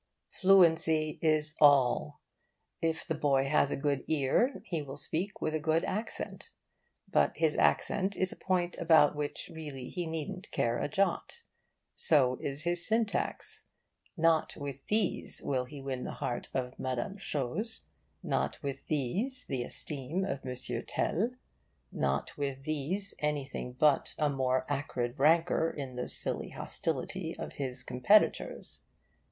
Fluency is all. If the boy has a good ear, he will speak with a good accent; but his accent is a point about which really he needn't care a jot. So is his syntax. Not with these will he win the heart of Mme. Chose, not with these the esteem of M. Tel, not with these anything but a more acrid rancour in the silly hostility of his competitors.